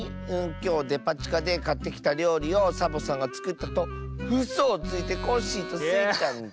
「きょうデパちかでかってきたりょうりをサボさんがつくったとうそをついてコッシーとスイちゃんに」。